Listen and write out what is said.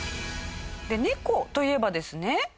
猫といえばですね